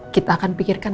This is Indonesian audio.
kita akan pikirkan